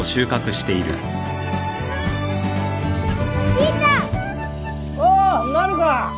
じいちゃん！おうなるか。